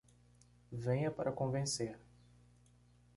Venha para convencer